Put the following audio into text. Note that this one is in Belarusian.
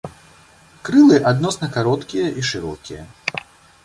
Крылы адносна кароткія і шырокія.